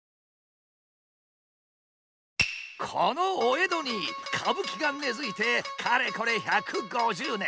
このお江戸に歌舞伎が根づいてかれこれ１５０年。